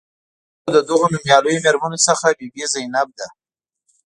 یو له دغو نومیالیو میرمنو څخه بي بي زینب ده.